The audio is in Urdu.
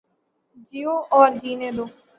جیو اور جینے دو